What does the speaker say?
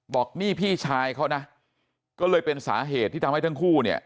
บอกนี่พี่ชายเขานะก็เลยเป็นสาเหตุที่ทำให้ทั้งคู่เนี่ย